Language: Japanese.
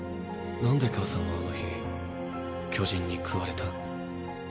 何で母さんはあの日巨人に食われた？